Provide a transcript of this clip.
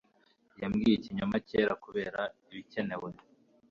Yabwiye ikinyoma cyera kubera ibikenewe.